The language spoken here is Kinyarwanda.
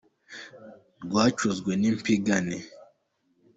Ryacuzwe n’impingane.